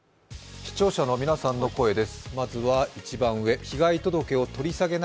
視聴者の皆さんの声です。